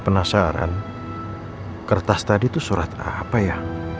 penasaran kertas tadi itu surat apa ya